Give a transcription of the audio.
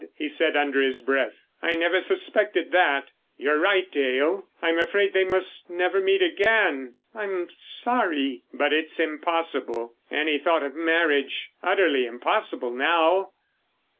he said under his breath. "I never suspected that! You're right, Dale, I'm afraid they must never meet again. I'm sorry—but it's impossible. Any thought of marriage. Utterly impossible now!"